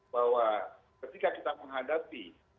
bahwa ketika kita menghadapi